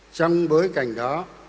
trong bối cảnh đó